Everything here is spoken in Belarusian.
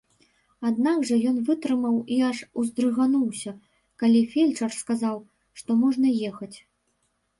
Аднак жа ён вытрымаў і аж уздрыгануўся, калі фельчар сказаў, што можна ехаць.